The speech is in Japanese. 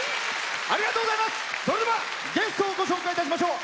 ゲストをご紹介いたしましょう。